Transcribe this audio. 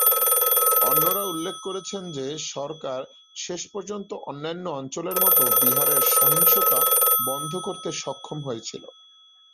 অন্যরা উল্লেখ করেছেন যে সরকার শেষ পর্যন্ত অন্যান্য অঞ্চলের মতো বিহারের সহিংসতা বন্ধ করতে সক্ষম হয়েছিল।